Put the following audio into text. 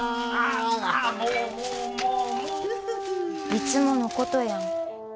いつものことやん。